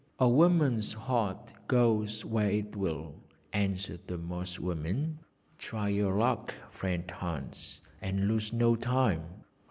'A woman's heart goes where it will,' answered the Moss woman. 'Try your luck, friend Hans, and lose no time.